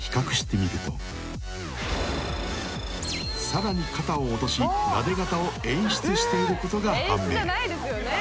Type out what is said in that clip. ［さらに肩を落としなで肩を演出していることが判明］